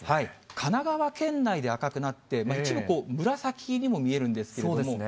神奈川県内で赤くなって、一部こう、紫にも見えるんですけれども。